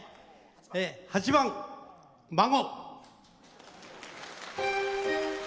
８番「孫」。